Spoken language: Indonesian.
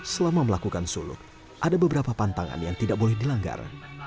selama melakukan suluk ada beberapa pantangan yang tidak boleh dilanggar